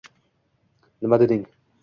Nima deding?!